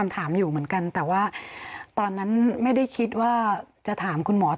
แต่ว่าตอนนั้นไม่ได้คิดว่าจะถามคุณหมอ